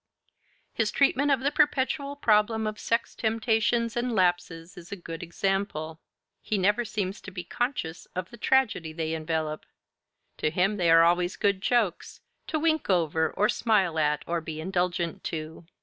His treatment of the perpetual problem of sex temptations and lapses is a good example: he never seems to be conscious of the tragedy they envelop. To him they are always good jokes, to wink over or smile at or be indulgent to.